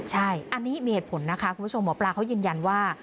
ใช่อันนี้มีเหตุผลนะคะคุณผู้ชมหมอปลาเขายืนยันว่า